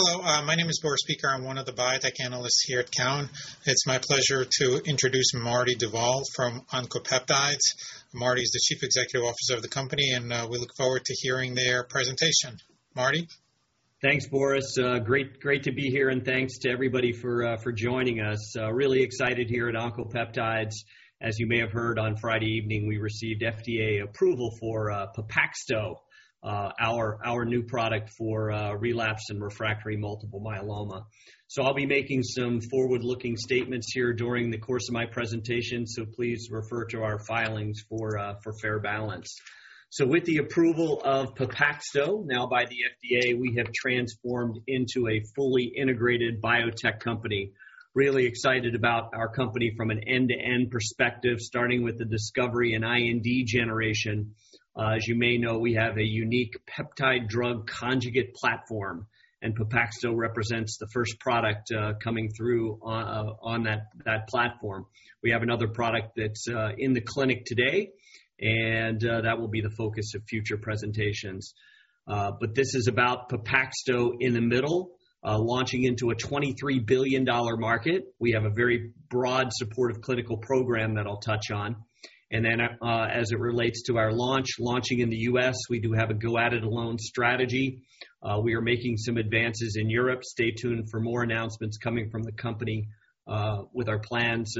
Hello, my name is Boris Peaker. I'm one of the Biotech Analysts here at Cowen. It's my pleasure to introduce Marty Duvall from Oncopeptides. Marty is the chief executive officer of the company. We look forward to hearing their presentation. Marty? Thanks, Boris. Great to be here, and thanks to everybody for joining us. Really excited here at Oncopeptides. As you may have heard, on Friday evening, we received FDA approval for PEPAXTO, our new product for relapsed and refractory multiple myeloma. I'll be making some forward-looking statements here during the course of my presentation, so please refer to our filings for fair balance. With the approval of PEPAXTO now by the FDA, we have transformed into a fully integrated biotech company. Really excited about our company from an end-to-end perspective, starting with the discovery and IND generation. As you may know, we have a unique peptide drug conjugate platform, and PEPAXTO represents the first product coming through on that platform. We have another product that's in the clinic today, and that will be the focus of future presentations. This is about PEPAXTO in the middle, launching into a SEK 23 billion market. We have a very broad supportive clinical program that I'll touch on. As it relates to our launch, launching in the U.S., we do have a go-it-alone strategy. We are making some advances in Europe. Stay tuned for more announcements coming from the company, with our plans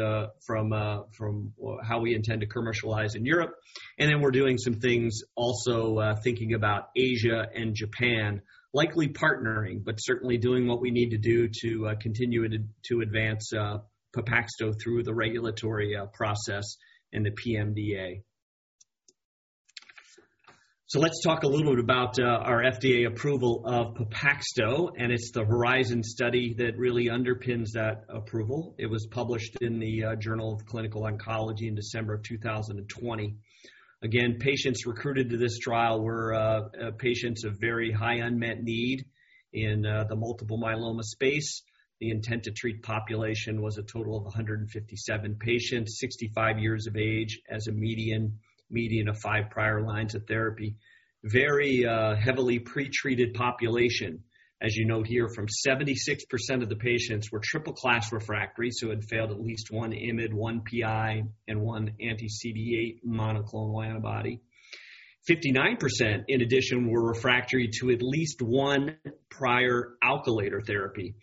from how we intend to commercialize in Europe. We're doing some things also thinking about Asia and Japan, likely partnering, but certainly doing what we need to do to continue to advance PEPAXTO through the regulatory process and the PMDA. Let's talk a little bit about our FDA approval of PEPAXTO, and it's the HORIZON study that really underpins that approval. It was published in the Journal of Clinical Oncology in December of 2020. Again, patients recruited to this trial were patients of very high unmet need in the multiple myeloma space. The intent to treat population was a total of 157 patients, 65 years of age as a median of five prior lines of therapy. Very heavily pretreated population. As you note here, from 76% of the patients were triple-class refractory, so had failed at least one IMiD, one PI, and one anti-CD38 monoclonal antibody. 59%, in addition, were refractory to at least one prior alkylator therapy.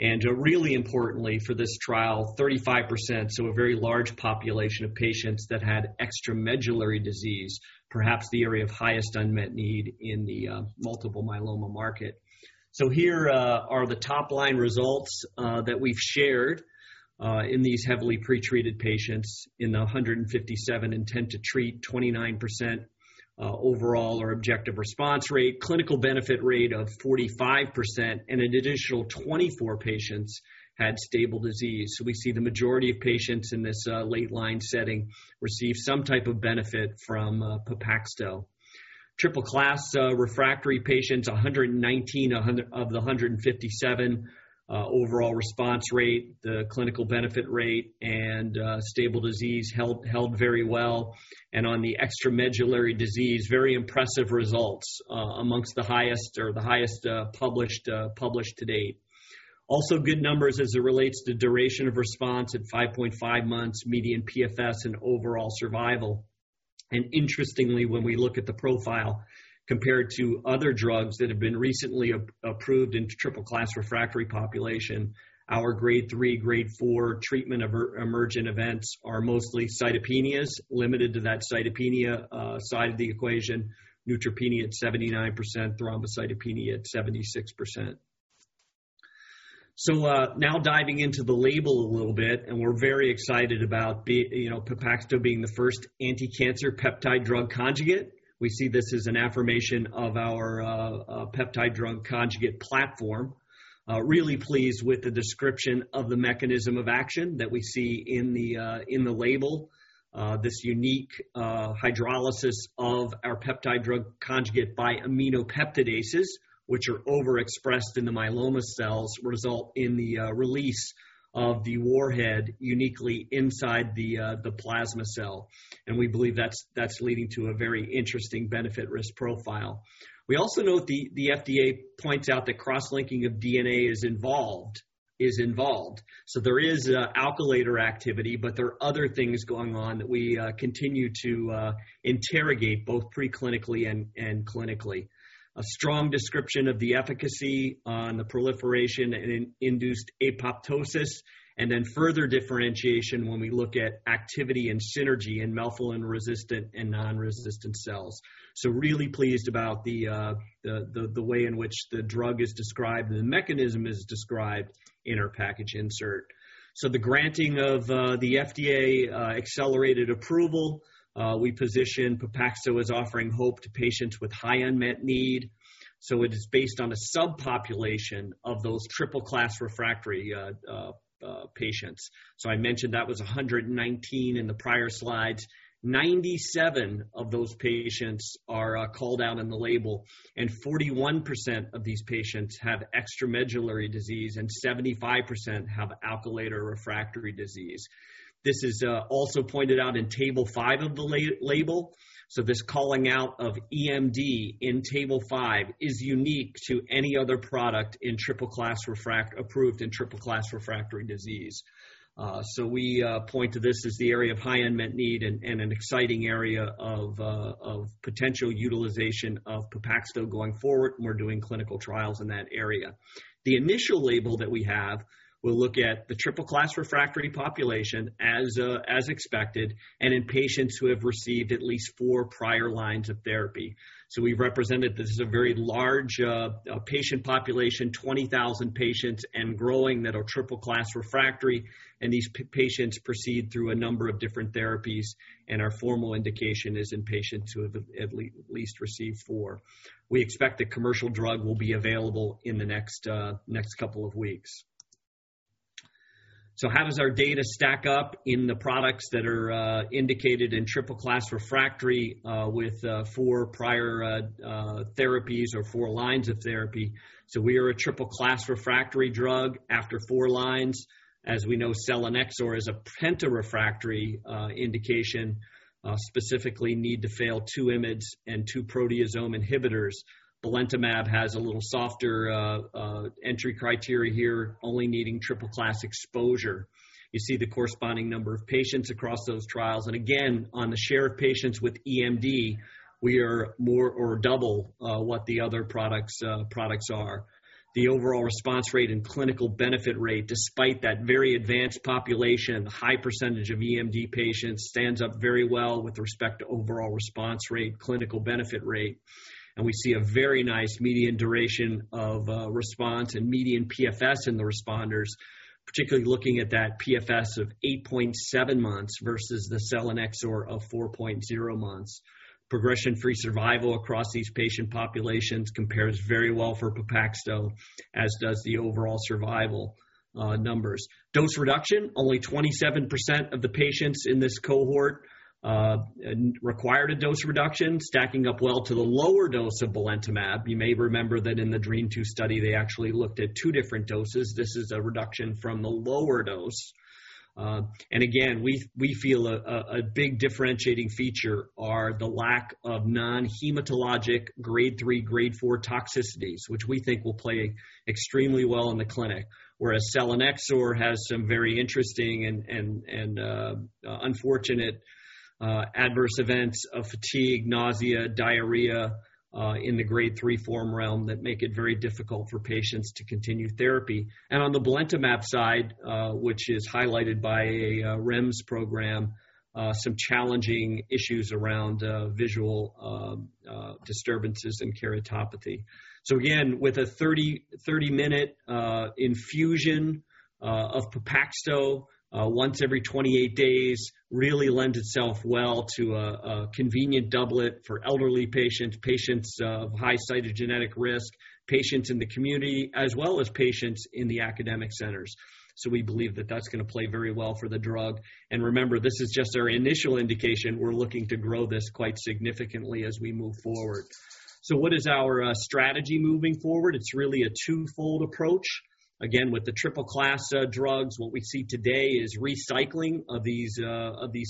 Really importantly for this trial, 35%, so a very large population of patients that had extramedullary disease, perhaps the area of highest unmet need in the multiple myeloma market. Here are the top-line results that we've shared in these heavily pretreated patients. In the 157 intent to treat, 29% overall or objective response rate, clinical benefit rate of 45%, and an additional 24 patients had stable disease. We see the majority of patients in this late-line setting received some type of benefit from PEPAXTO. triple-class refractory patients, 119 of the 157 overall response rate, the clinical benefit rate, and stable disease held very well. On the extramedullary disease, very impressive results. Amongst the highest or the highest published to date. Also, good numbers as it relates to duration of response at 5.5 months, median PFS, and overall survival. Interestingly, when we look at the profile compared to other drugs that have been recently approved into triple-class refractory population, our grade three, grade four treatment emergent events are mostly cytopenias, limited to that cytopenia side of the equation. neutropenia at 79%, thrombocytopenia at 76%. Now diving into the label a little bit, we're very excited about PEPAXTO being the first anticancer peptide drug conjugate. We see this as an affirmation of our peptide drug conjugate platform. We're really pleased with the description of the mechanism of action that we see in the label. This unique hydrolysis of our peptide drug conjugate by aminopeptidases, which are overexpressed in the myeloma cells, result in the release of the warhead uniquely inside the plasma cell. We believe that's leading to a very interesting benefit/risk profile. We also note the FDA points out that cross-linking of DNA is involved. There is alkylator activity, but there are other things going on that we continue to interrogate both pre-clinically and clinically. A strong description of the efficacy on the proliferation in induced apoptosis, and then further differentiation when we look at activity and synergy in melphalan-resistant and non-resistant cells. Really pleased about the way in which the drug is described and the mechanism is described in our package insert. The granting of the FDA-accelerated approval, we position PEPAXTO as offering hope to patients with high unmet need. It is based on a subpopulation of those triple-class refractory patients. I mentioned that was 119 in the prior slides. 97 of those patients are called out in the label, and 41% of these patients have extramedullary disease, and 75% have alkylator-refractory disease. This is also pointed out in table five of the label. This calling out of EMD in table five is unique to any other product approved in triple-class refractory disease. We point to this as the area of high unmet need and an exciting area of potential utilization of PEPAXTO going forward, we're doing clinical trials in that area. The initial label that we have will look at the triple-class refractory population as expected, in patients who have received at least four prior lines of therapy. We've represented this as a very large patient population, 20,000 patients and growing, that are triple-class refractory. These patients proceed through a number of different therapies, and our formal indication is in patients who have at least received four. We expect the commercial drug will be available in the next couple of weeks. How does our data stack up in the products that are indicated in triple-class refractory, with four prior therapies or four lines of therapy? We are a triple-class refractory drug after four lines. As we know, selinexor is a penta-refractory indication, specifically need to fail two IMiDs and two proteasome inhibitors. belantamab has a little softer entry criteria here, only needing triple-class exposure. You see the corresponding number of patients across those trials. Again, on the share of patients with EMD, we are more or double what the other products are. The overall response rate and clinical benefit rate, despite that very advanced population and high percentage of EMD patients, stands up very well with respect to overall response rate, clinical benefit rate. We see a very nice median duration of response and median PFS in the responders, particularly looking at that PFS of 8.7 months versus the selinexor of 4.0 months. Progression-free survival across these patient populations compares very well for PEPAXTO, as does the overall survival numbers. Dose reduction, only 27% of the patients in this cohort required a dose reduction, stacking up well to the lower dose of belantamab. You may remember that in the DREAMM-2 study, they actually looked at two different doses. This is a reduction from the lower dose. Again, we feel a big differentiating feature are the lack of non-hematologic grade three, grade four toxicities, which we think will play extremely well in the clinic. Whereas selinexor has some very interesting and unfortunate adverse events of fatigue, nausea, diarrhea in the grade three form realm that make it very difficult for patients to continue therapy. On the belantamab side, which is highlighted by a REMS program, some challenging issues around visual disturbances and keratopathy. Again, with a 30-minute infusion of PEPAXTO once every 28 days really lends itself well to a convenient doublet for elderly patients of high cytogenetic risk, patients in the community, as well as patients in the academic centers. We believe that that's going to play very well for the drug. Remember, this is just our initial indication. We're looking to grow this quite significantly as we move forward. What is our strategy moving forward? It's really a twofold approach. Again, with the triple-class drugs, what we see today is recycling of these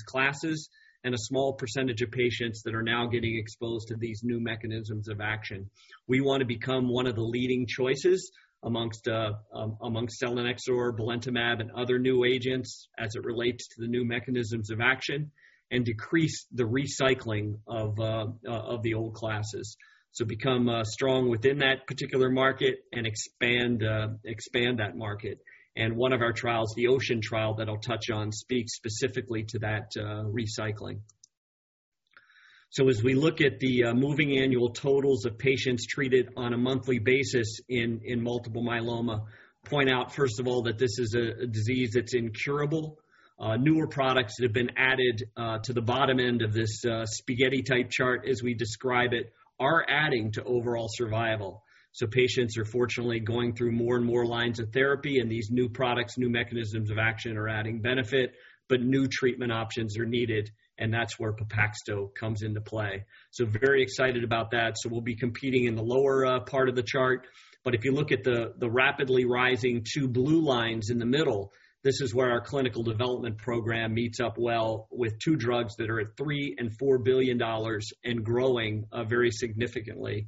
classes and a small percentage of patients that are now getting exposed to these new mechanisms of action. We want to become one of the leading choices amongst selinexor, belantamab, and other new agents as it relates to the new mechanisms of action and decrease the recycling of the old classes. Become strong within that particular market and expand that market. One of our trials, the OCEAN trial that I'll touch on, speaks specifically to that recycling. As we look at the moving annual totals of patients treated on a monthly basis in multiple myeloma, point out, first of all, that this is a disease that's incurable. Newer products that have been added to the bottom end of this spaghetti-type chart, as we describe it, are adding to overall survival. Patients are fortunately going through more and more lines of therapy and these new products, new mechanisms of action are adding benefit, but new treatment options are needed, and that's where PEPAXTO comes into play. Very excited about that. We'll be competing in the lower part of the chart. If you look at the rapidly rising two blue lines in the middle, this is where our clinical development program meets up well with two drugs that are at 3 billion and SEK 4 billion and growing very significantly.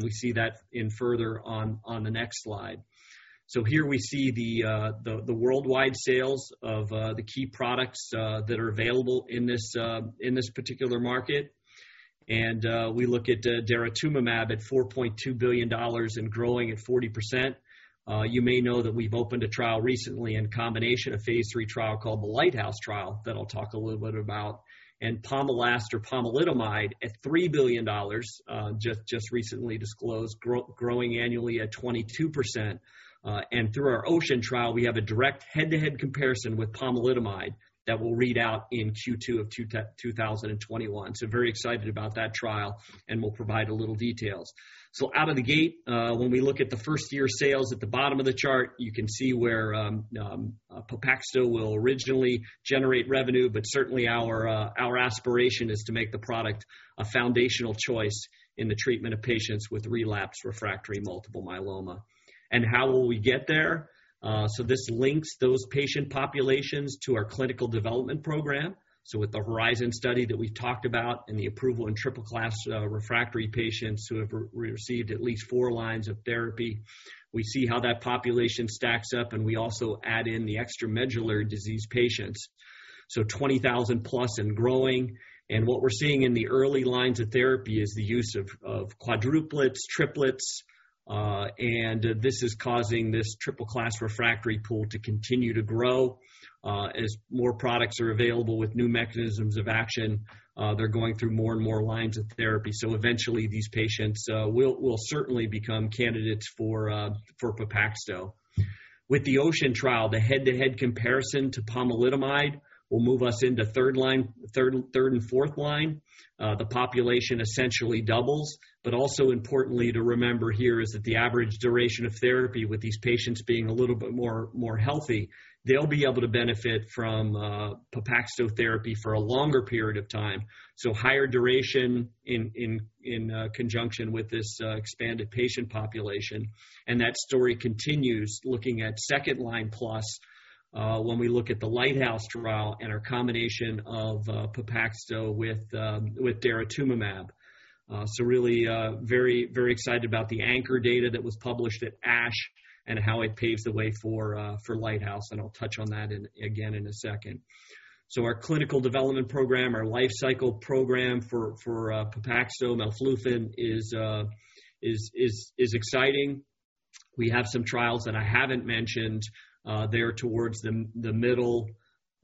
We see that in further on the next slide. Here we see the worldwide sales of the key products that are available in this particular market. We look at daratumumab at SEK 4.2 billion and growing at 40%. You may know that we've opened a trial recently in combination, a phase III trial called the LIGHTHOUSE trial that I'll talk a little bit about. POMALYST or pomalidomide at SEK 3 billion, just recently disclosed, growing annually at 22%. Through our OCEAN trial, we have a direct head-to-head comparison with pomalidomide that will read out in Q2 of 2021. Very excited about that trial, and we'll provide a little details. Out of the gate, when we look at the first-year sales at the bottom of the chart, you can see where PEPAXTO will originally generate revenue, but certainly Our aspiration is to make the product a foundational choice in the treatment of patients with relapsed refractory multiple myeloma. How will we get there? This links those patient populations to our clinical development program. With the HORIZON study that we've talked about and the approval in triple-class refractory patients who have received at least four lines of therapy, we see how that population stacks up, and we also add in the extramedullary disease patients. 20,000+ and growing. What we're seeing in the early lines of therapy is the use of quadruplets, triplets, and this is causing this triple-class refractory pool to continue to grow. As more products are available with new mechanisms of action, they're going through more and more lines of therapy. Eventually, these patients will certainly become candidates for PEPAXTO. With the OCEAN trial, the head-to-head comparison to pomalidomide will move us into third and fourth line. The population essentially doubles. Also importantly to remember here is that the average duration of therapy with these patients being a little bit more healthy, they'll be able to benefit from PEPAXTO therapy for a longer period of time. Higher duration in conjunction with this expanded patient population. That story continues looking at second-line plus, when we look at the LIGHTHOUSE trial and our combination of PEPAXTO with daratumumab. Really very excited about the ANCHOR data that was published at ASH and how it paves the way for LIGHTHOUSE, and I'll touch on that again in a second. Our clinical development program, our life cycle program for PEPAXTO, melflufen, is exciting. We have some trials that I haven't mentioned. They are towards the middle.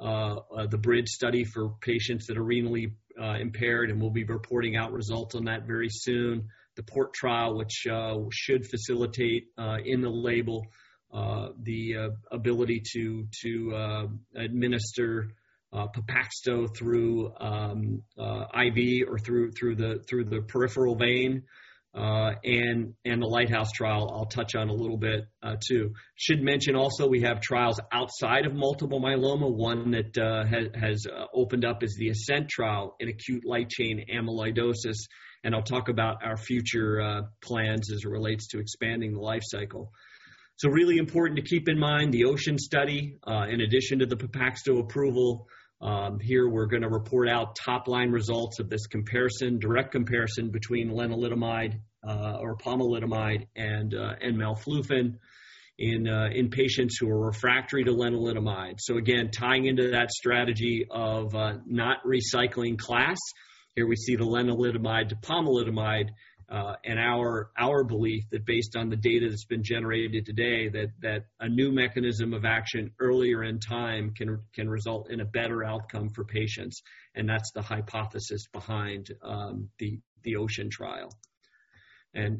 The BRIDGE study for patients that are renally impaired, and we'll be reporting out results on that very soon. The PORT trial, which should facilitate in the label the ability to administer PEPAXTO through IV or through the peripheral vein. The LIGHTHOUSE trial I'll touch on a little bit, too. Should mention also, we have trials outside of multiple myeloma. One that has opened up is the ASCENT trial in amyloid light-chain amyloidosis, and I'll talk about our future plans as it relates to expanding the life cycle. Really important to keep in mind the OCEAN study, in addition to the PEPAXTO approval. Here we're going to report out top-line results of this direct comparison between lenalidomide or pomalidomide and melflufen in patients who are refractory to lenalidomide. Again, tying into that strategy of not recycling class. Here we see the lenalidomide to pomalidomide, and our belief that based on the data that's been generated today, that a new mechanism of action earlier in time can result in a better outcome for patients, and that's the hypothesis behind the OCEAN trial.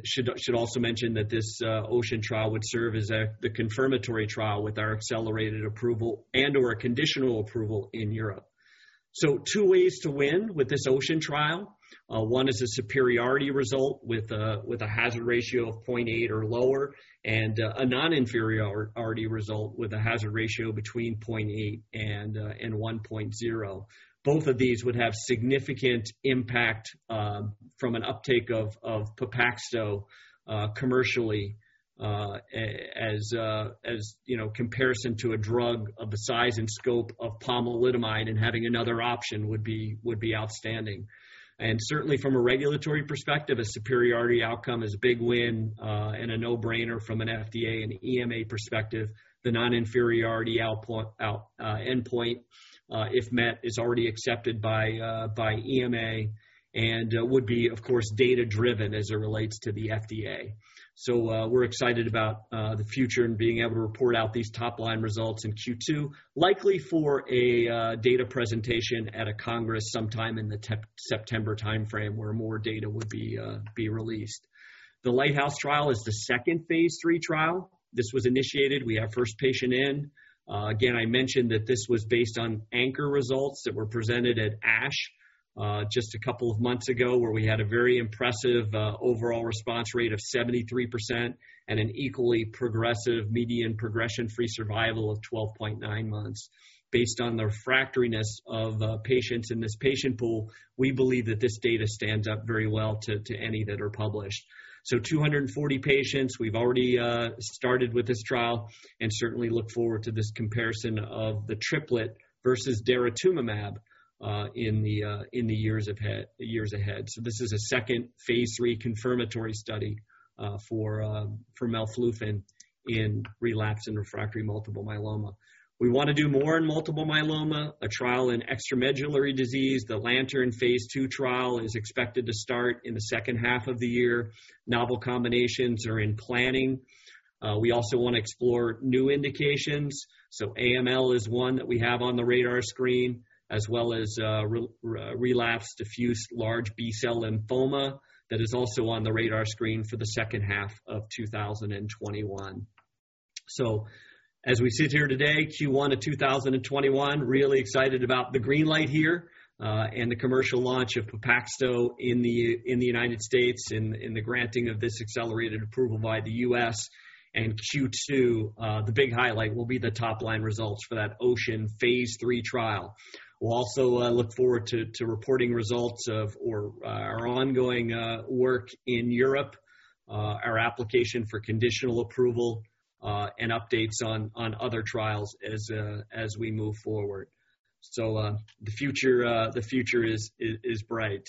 Should also mention that this OCEAN trial would serve as the confirmatory trial with our accelerated approval and/or a conditional approval in Europe. Two ways to win with this OCEAN trial. One is a superiority result with a hazard ratio of 0.8 or lower, and a non-inferiority result with a hazard ratio between 0.8 and 1.0. Both of these would have significant impact from an uptake of PEPAXTO commercially as comparison to a drug of the size and scope of pomalidomide and having another option would be outstanding. Certainly from a regulatory perspective, a superiority outcome is a big win and a no-brainer from an FDA and EMA perspective. The non-inferiority endpoint, if met, is already accepted by EMA and would be, of course, data-driven as it relates to the FDA. We're excited about the future and being able to report out these top-line results in Q2, likely for a data presentation at a congress sometime in the September timeframe, where more data would be released. The LIGHTHOUSE trial is the second phase III trial. This was initiated. We have first patient in. I mentioned that this was based on ANCHOR results that were presented at ASH just a couple of months ago, where we had a very impressive overall response rate of 73% and an equally progressive median progression-free survival of 12.9 months. Based on the refractoriness of patients in this patient pool, we believe that this data stands up very well to any that are published. 240 patients. We've already started with this trial and certainly look forward to this comparison of the triplet versus daratumumab in the years ahead. This is a second phase III confirmatory study for melflufen in relapsed refractory multiple myeloma. We want to do more in multiple myeloma, a trial in extramedullary disease. The LANTERN phase II trial is expected to start in the second half of the year. Novel combinations are in planning. We also want to explore new indications. AML is one that we have on the radar screen, as well as relapsed diffuse large B-cell lymphoma. That is also on the radar screen for the second half of 2021. As we sit here today, Q1 of 2021, really excited about the green light here, and the commercial launch of PEPAXTO in the U.S., in the granting of this accelerated approval by the U.S. Q2, the big highlight will be the top-line results for that OCEAN phase III trial. We'll also look forward to reporting results of our ongoing work in Europe, our application for conditional approval, and updates on other trials as we move forward. The future is bright.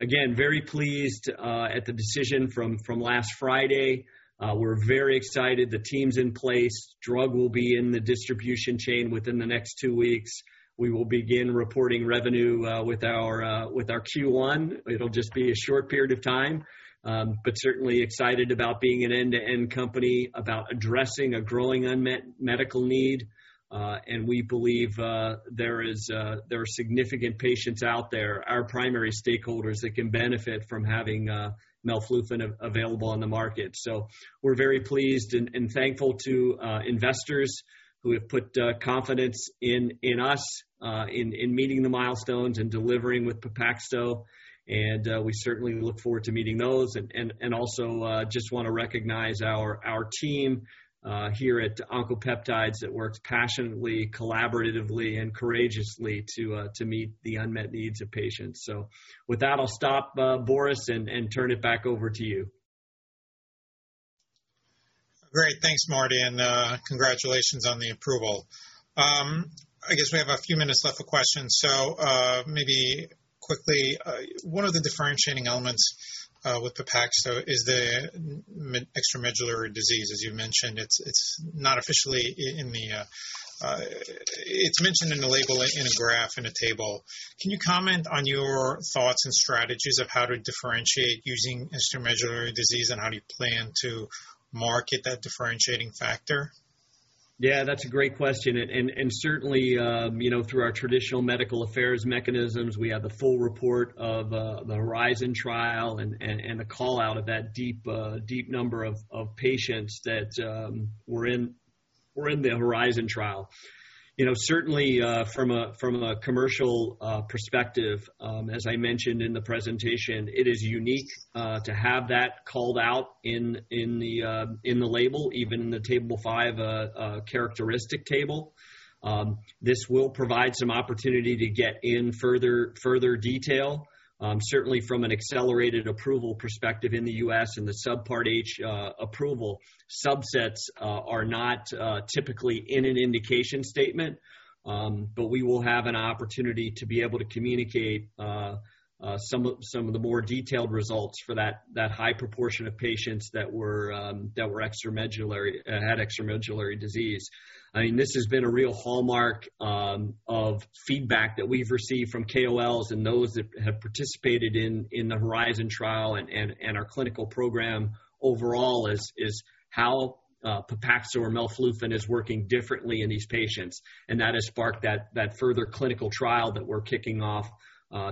Again, very pleased at the decision from last Friday. We're very excited. The team's in place. Drug will be in the distribution chain within the next two weeks. We will begin reporting revenue with our Q1. It'll just be a short period of time. Certainly excited about being an end-to-end company, about addressing a growing unmet medical need. We believe there are significant patients out there, our primary stakeholders, that can benefit from having melflufen available on the market. We're very pleased and thankful to investors who have put confidence in us in meeting the milestones and delivering with PEPAXTO, and we certainly look forward to meeting those. Also just want to recognize our team here at Oncopeptides that works passionately, collaboratively, and courageously to meet the unmet needs of patients. With that, I'll stop, Boris, and turn it back over to you. Great. Thanks, Marty, and congratulations on the approval. I guess we have a few minutes left for questions. Maybe quickly, one of the differentiating elements with PEPAXTO is the extramedullary disease. As you mentioned, it's mentioned in the labeling in a graph, in a table. Can you comment on your thoughts and strategies of how to differentiate using extramedullary disease, and how do you plan to market that differentiating factor? That's a great question, and certainly, through our traditional medical affairs mechanisms, we have the full report of the HORIZON trial and the call-out of that deep number of patients that were in the HORIZON trial. From a commercial perspective, as I mentioned in the presentation, it is unique to have that called out in the label, even in the Table 5 characteristic table. This will provide some opportunity to get in further detail. From an accelerated approval perspective in the U.S. and the Subpart H approval, subsets are not typically in an indication statement. We will have an opportunity to be able to communicate some of the more detailed results for that high proportion of patients that had extramedullary disease. This has been a real hallmark of feedback that we've received from KOLs and those that have participated in the HORIZON trial and our clinical program overall, is how PEPAXTO or melflufen is working differently in these patients. That has sparked that further clinical trial that we're kicking off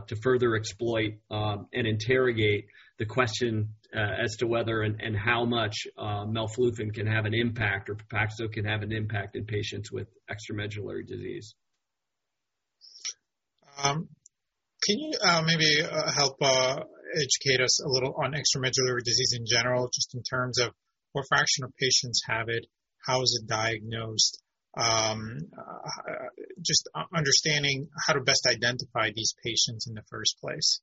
to further exploit and interrogate the question as to whether and how much melflufen can have an impact, or PEPAXTO can have an impact in patients with extramedullary disease. Can you maybe help educate us a little on extramedullary disease in general, just in terms of what fraction of patients have it, how is it diagnosed? Just understanding how to best identify these patients in the first place.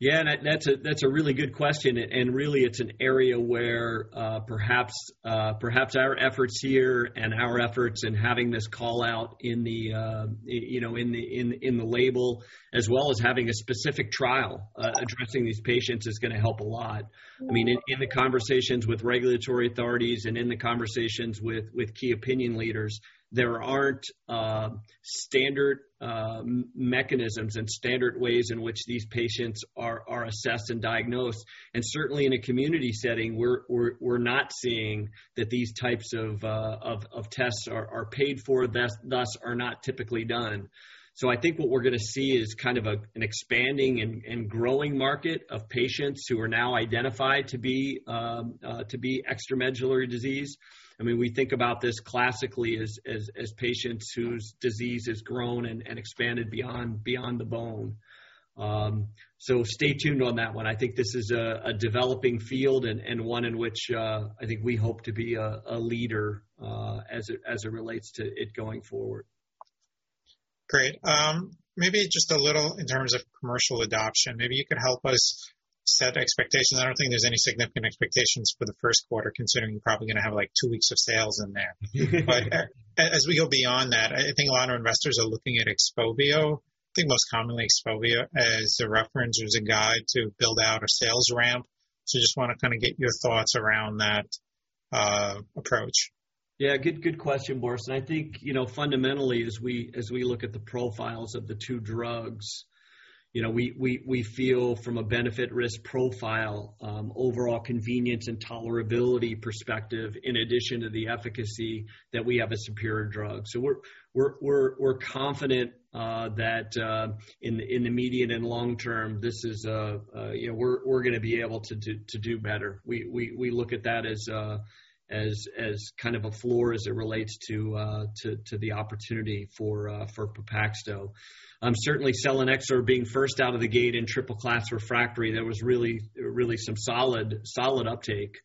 Yeah, that's a really good question, really it's an area where perhaps our efforts here and our efforts in having this call-out in the label, as well as having a specific trial addressing these patients is going to help a lot. In the conversations with regulatory authorities and in the conversations with Key Opinion Leaders, there aren't standard mechanisms and standard ways in which these patients are assessed and diagnosed. Certainly in a community setting, we're not seeing that these types of tests are paid for, thus are not typically done. I think what we're going to see is kind of an expanding and growing market of patients who are now identified to be extramedullary disease. We think about this classically as patients whose disease has grown and expanded beyond the bone. Stay tuned on that one. I think this is a developing field and one in which I think we hope to be a leader as it relates to it going forward. Great. Maybe just a little in terms of commercial adoption, maybe you could help us set expectations. I don't think there's any significant expectations for the first quarter, considering you're probably going to have two weeks of sales in there. As we go beyond that, I think a lot of investors are looking at XPOVIO, I think most commonly XPOVIO, as a reference or as a guide to build out a sales ramp. Just want to kind of get your thoughts around that approach. Good question, Boris. I think, fundamentally as we look at the profiles of the two drugs, we feel from a benefit risk profile, overall convenience and tolerability perspective, in addition to the efficacy, that we have a superior drug. We're confident that in the immediate and long term, we're going to be able to do better. We look at that as a floor as it relates to the opportunity for PEPAXTO. Certainly selinexor being first out of the gate in triple-class refractory, there was really some solid uptake.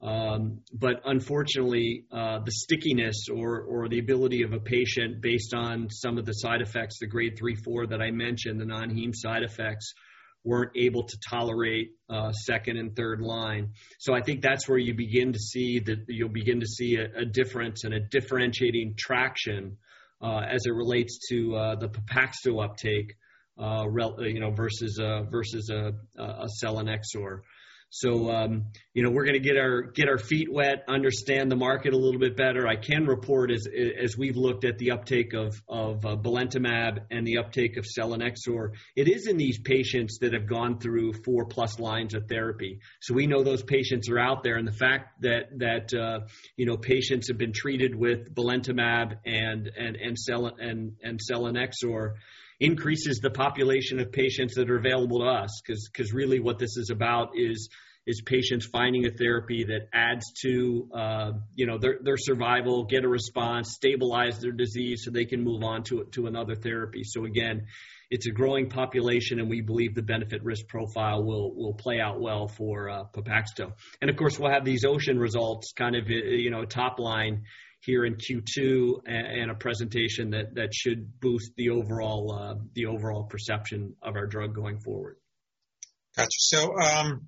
Unfortunately, the stickiness or the ability of a patient based on some of the side effects, the grade 3-4 that I mentioned, the non-heme side effects, weren't able to tolerate second and third line. I think that's where you'll begin to see a difference and a differentiating traction as it relates to the PEPAXTO uptake versus a selinexor. We're going to get our feet wet, understand the market a little bit better. I can report, as we've looked at the uptake of belantamab and the uptake of selinexor, it is in these patients that have gone through 4+ lines of therapy. We know those patients are out there, and the fact that patients have been treated with belantamab and selinexor increases the population of patients that are available to us because really what this is about is patients finding a therapy that adds to their survival, get a response, stabilize their disease so they can move on to another therapy. Again, it's a growing population, and we believe the benefit risk profile will play out well for PEPAXTO. Of course, we'll have these OCEAN results top line here in Q2 and a presentation that should boost the overall perception of our drug going forward. Got you.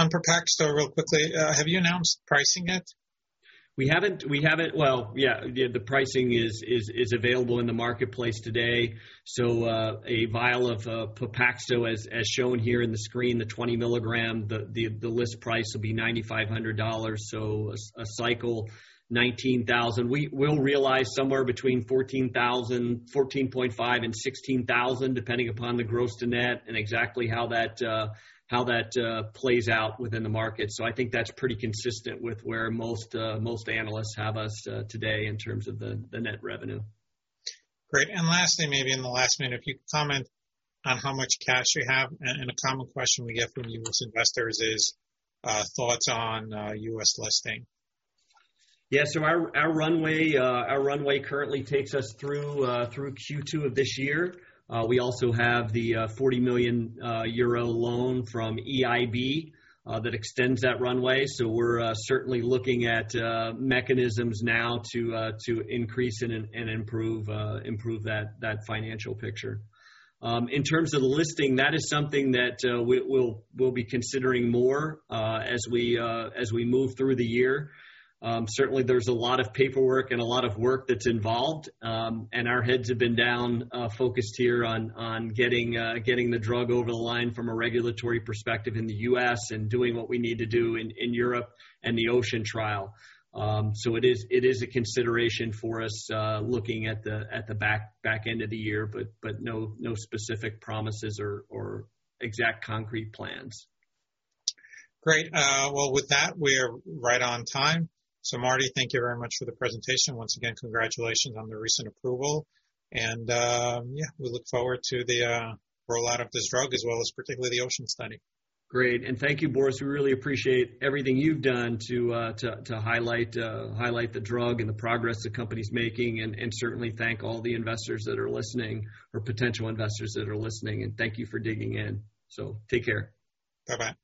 On PEPAXTO, real quickly, have you announced pricing yet? We haven't. Well, yeah, the pricing is available in the marketplace today. A vial of PEPAXTO as shown here in the screen, the 20 milligram, the list price will be $9,500. A cycle, $19,000. We'll realize somewhere between $14,000, $14.5 and $16,000, depending upon the gross to net and exactly how that plays out within the market. I think that's pretty consistent with where most analysts have us today in terms of the net revenue. Great. Lastly, maybe in the last minute, if you could comment on how much cash you have, and a common question we get from U.S. investors is thoughts on U.S. listing. Our runway currently takes us through Q2 of this year. We also have the 40 million euro loan from EIB that extends that runway. We're certainly looking at mechanisms now to increase and improve that financial picture. In terms of the listing, that is something that we'll be considering more as we move through the year. Certainly there's a lot of paperwork and a lot of work that's involved. Our heads have been down, focused here on getting the drug over the line from a regulatory perspective in the U.S. and doing what we need to do in Europe and the OCEAN trial. It is a consideration for us looking at the back end of the year, but no specific promises or exact concrete plans. Great. Well, with that, we are right on time. Marty, thank you very much for the presentation. Once again, congratulations on the recent approval. Yeah, we look forward to the rollout of this drug as well as particularly the OCEAN study. Great. Thank you, Boris. We really appreciate everything you've done to highlight the drug and the progress the company's making, and certainly thank all the investors that are listening or potential investors that are listening. Thank you for digging in. Take care. Bye-bye.